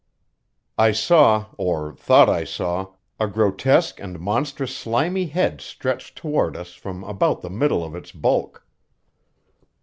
I saw, or thought I saw, a grotesque and monstrous slimy head stretched toward us from about the middle of its bulk.